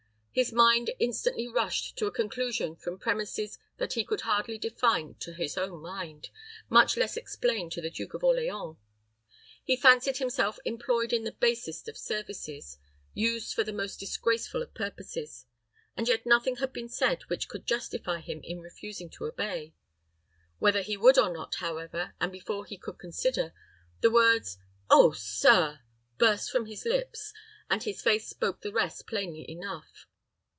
His mind instantly rushed to a conclusion from premises that he could hardly define to his own mind, much less explain to the Duke of Orleans. He fancied himself employed in the basest of services used for the most disgraceful of purposes; and yet nothing had been said which could justify him in refusing to obey. Whether he would or not, however, and before he could consider, the words "Oh, sir!" burst from his lips, and his face spoke the rest plainly enough.